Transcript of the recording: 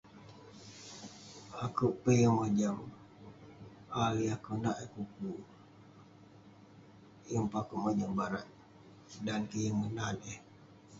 Akouk pe yeng mojam hal yah konak eh kukuk. Yeng pe akouk mojam barak, dan kik yeng menat eh.